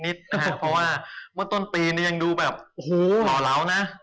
เพราะว่าเมื่อต้นปียังดูหล่อนะ